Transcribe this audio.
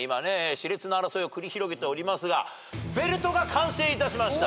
熾烈な争いを繰り広げておりますがベルトが完成いたしました。